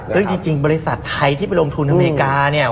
ซึ่งจริงบริษัทไทยที่ไปลงทุนอเมริกาเนี่ย